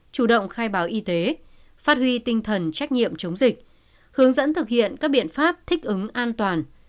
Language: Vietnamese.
chủ động khai báo y tế phát huy tinh thần trách nhiệm chống dịch hướng dẫn thực hiện các biện pháp thích ứng an toàn